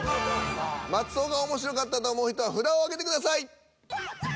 松尾が面白かったと思う人は札を挙げてください。